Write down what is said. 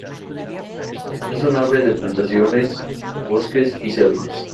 Es un ave de plantaciones, bosques y selvas.